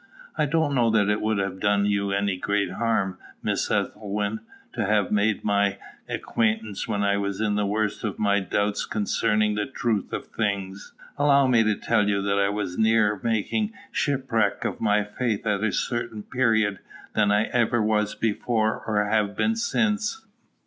I don't know that it would have done you any great harm, Miss Ethelwyn, to have made my acquaintance when I was in the worst of my doubts concerning the truth of things. Allow me to tell you that I was nearer making shipwreck of my faith at a certain period than I ever was before or have been since.